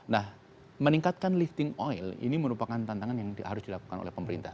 nah meningkatkan lifting oil ini merupakan tantangan yang harus dilakukan oleh pemerintah